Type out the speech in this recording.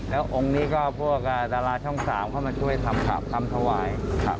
แล้วองค์นี้พวกดาราช่องสามเข้ามาช่วยทำพราบทำสวาย